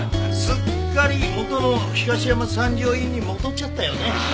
すっかり元の東山三条医院に戻っちゃったよね。